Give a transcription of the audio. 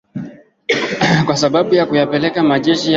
kwa sababu ya kuyapeleka majeshi yake huko somali